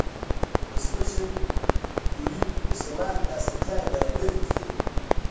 ولسمشر یوریب وسله والو ته اسانتیاوې برابرې کړې.